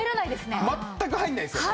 全く入らないですよね？